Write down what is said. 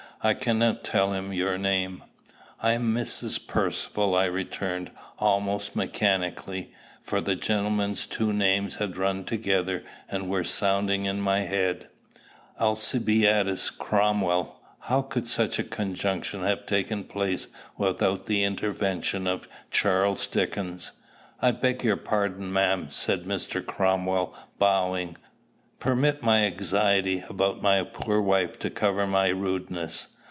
"I cannot tell him your name." "I am Mrs. Percivale," I returned, almost mechanically, for the gentleman's two names had run together and were sounding in my head: Alcibiades Cromwell! How could such a conjunction have taken place without the intervention of Charles Dickens? "I beg your pardon, ma'am," said Mr. Cromwell, bowing. "Permit my anxiety about my poor wife to cover my rudeness.